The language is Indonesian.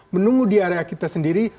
menunggu di area kita sendiri